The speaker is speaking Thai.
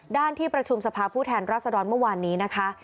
ที่ประชุมสภาพผู้แทนรัศดรเมื่อวานนี้นะคะ